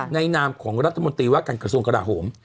นามของรัฐมนตรีว่าการกระทรวงกราโหม